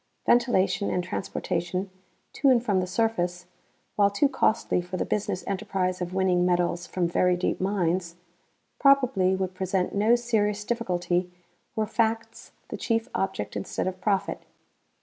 Ventilation and transportation to and from the surface, while too costly for the business enterprise of winning metals from very deep mines, probably would present no serious difficulty were facts the chief object instead of profit.